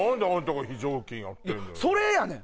それやねん！